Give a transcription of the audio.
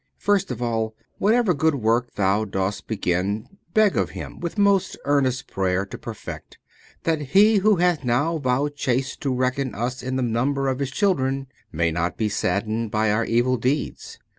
First of all whatever good work thou dost begin, beg of Him with most earnest prayer to perfect; that He Who hath now vouchsafed to reckon us in the number of His children, may not be saddened by our evil deeds.